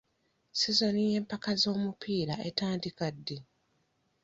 Sizoni y'empaka z'omupiira etandika ddi?